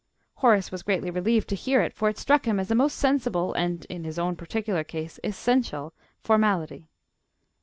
Horace was greatly relieved to hear it, for it struck him as a most sensible and, in his own particular case, essential formality.